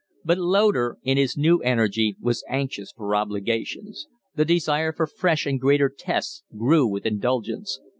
But Loder in his new energy was anxious for obligations; the desire for fresh and greater tests grew with indulgence.